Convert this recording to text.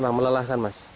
emang melelahkan mas